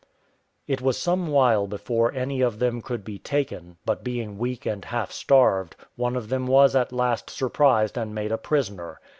It was some while before any of them could be taken; but being weak and half starved, one of them was at last surprised and made a prisoner.